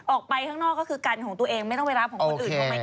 ออกไปข้างนอกก็คือกันของตัวเองไม่ต้องไปรับของคนอื่น